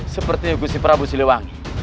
sepertinya guci prabu si luwangi